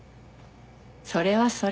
それはそれ。